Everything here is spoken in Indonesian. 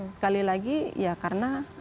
sekali lagi ya karena